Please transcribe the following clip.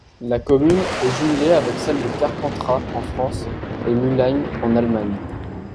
La commune est jumelée avec celles de Carpentras en France et Müllheim en Allemagne.